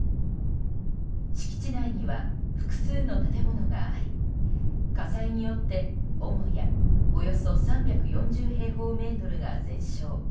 敷地内には複数の建物があり火災によって母屋およそ３４０平方メートルが全焼。